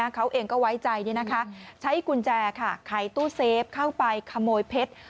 เขาเองก็ไว้ใจใช้กุญแจค่ะไขตู้เซฟเข้าไปขโมยเพชร